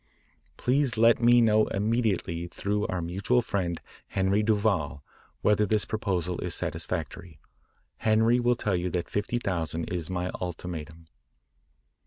Please let me know immediately through our mutual friend Henri Duval whether this proposal is satisfactory. Henri will tell you that fifty thousand is my ultimatum.